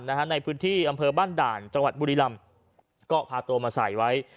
ในพื้นที่อำเภอบ้านด่านจังหวัดบุรีรำก็พาตัวมาใส่ไว้